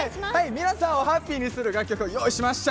皆さんをハッピーにする楽曲を用意しました。